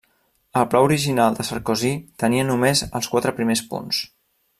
El pla original de Sarkozy tenia només els quatre primers punts.